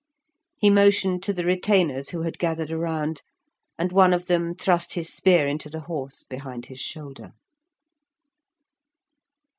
He motioned to the retainers who had gathered around, and one of them thrust his spear into the horse behind his shoulder.